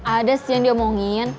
ada sih yang diomongin